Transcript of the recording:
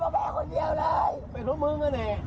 ไฟอะไรมึง